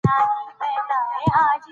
ځنګل د ځمکې ساه ده.